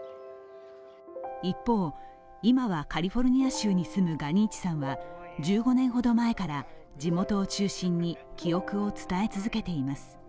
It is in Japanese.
一方、今はカリフォルニア州に住むガニーチさんは１５年ほど前から地元を中心に記憶を伝え続けています。